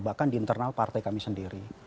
bahkan di internal partai kami sendiri